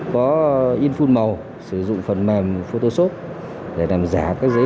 có in full màu sử dụng phần mềm photoshop để làm giả các giấy